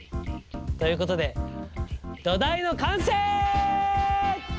ということで土台の完成！